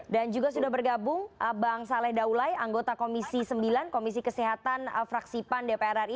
dan juga sudah bergabung bang saleh daulay anggota komisi sembilan komisi kesehatan fraksipan dpr ri